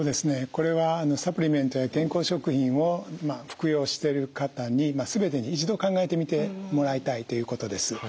これはサプリメントや健康食品を服用してる方に全てに一度考えてみてもらいたいということです。